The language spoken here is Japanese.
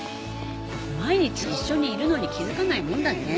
毎日一緒にいるのに気づかないもんだね。